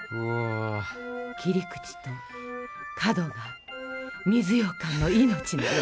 切り口と角が水ようかんの命なのよ。